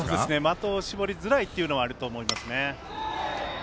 的を絞りづらいというのはあると思いますね。